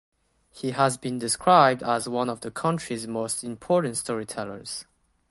He has been described as "one of the country’s most important storytellers".